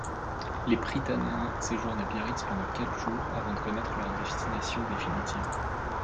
Les Prytanéens séjournent à Biarritz pendant quatre jours avant de connaître leur destination définitive.